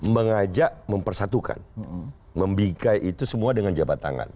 mengajak mempersatukan membikai itu semua dengan jabat tangan